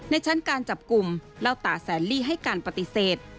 ในชั้นการจับกลุ่มเล่าตาแสนลี่ให้การปฏิเสธ